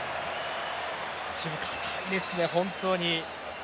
守備堅いですね、本当に。